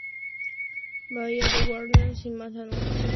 Bahía de Warner" sin más anotaciones.